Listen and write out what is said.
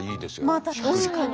まあ確かに。